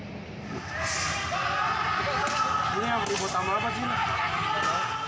ini yang dibutang apa sih